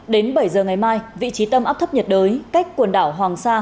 đến bảy giờ ngày mai vị trí tâm áp thấp nhiệt đới cách quần đảo hoàng sa